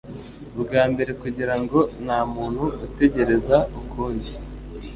ubwambere kugirango ntamuntu utegereza ukundi